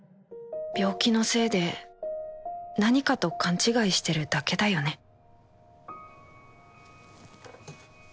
病気のせいで何かと勘違いしてるだけだよね